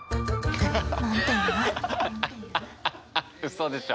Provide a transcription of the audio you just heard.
嘘でしょ？